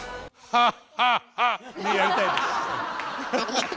はい。